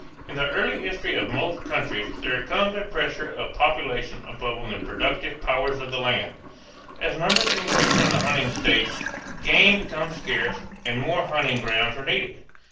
In the early history of most countries there comes a pressure of population upon the productive powers of the land. As numbers increase in the hunting stage game becomes scarce and more hunting grounds are needed.